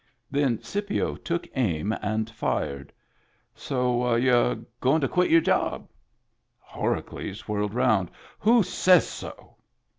Then Scipio took aim and fired :" So you're going to quit your job ?" Horacles whirled round. "Who says so?"